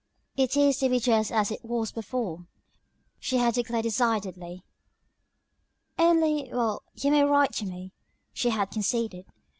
"It is to be just as it was before," she had declared decidedly, "only well, you may write to me," she had conceded.